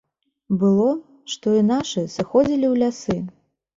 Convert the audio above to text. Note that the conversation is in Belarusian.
Было, што і нашы сыходзілі ў лясы.